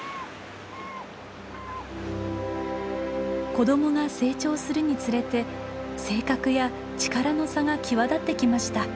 子どもが成長するにつれて性格や力の差が際立ってきました。